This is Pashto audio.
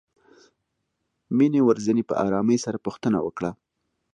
مينې ورڅنې په آرامۍ سره پوښتنه وکړه.